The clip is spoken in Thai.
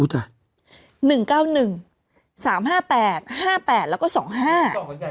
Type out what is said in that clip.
จ้ะหนึ่งเก้าหนึ่งสามห้าแปดห้าแปดแล้วก็สองห้า